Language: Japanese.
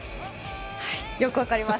よく分かります。